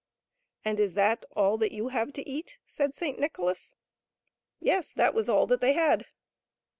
" And is that all that you have to eat ?" said Saint Nicholas. Yes ; that was all that they had.